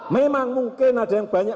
memang mungkin ada yang banyak